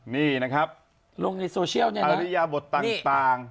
นี่นะครับประหลียาบทต่าง